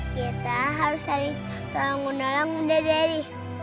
kita harus saling saling menolong bunda dari